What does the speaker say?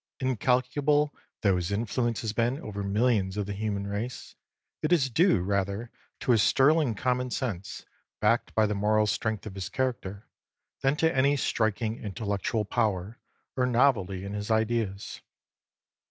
Incalculable though his influence has been over millions of the human race, it is due rather to his sterling common sense backed by the moral strength of his character, than to any striking intellectual power or novelty in his ideas.